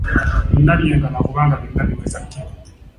Byonna byenkana kubanga byonna biweza kkiro.